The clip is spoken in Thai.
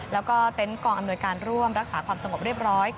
แล้วก็เต็นต์กองอำนวยการร่วมรักษาความสงบเรียบร้อย